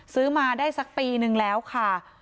ซื้อมาได้สักปีนึงแล้วค่ะ